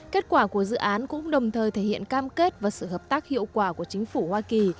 kết quả của dự án cũng đồng thời thể hiện cam kết và sự hợp tác hiệu quả của chính phủ hoa kỳ